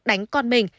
đánh con mình